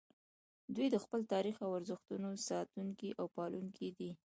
دوی د خپل تاریخ او ارزښتونو ساتونکي او پالونکي دي